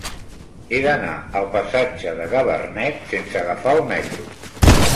He d'anar al passatge de Gabarnet sense agafar el metro.